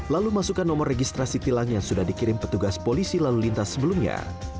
lalu masukkan nomor registrasi tilang yang sudah dikirim petugas polisi lalu lintas sebelumnya